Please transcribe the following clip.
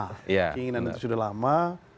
keinginan itu sudah lama